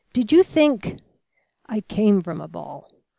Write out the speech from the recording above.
"Did you think " "I came from a ball.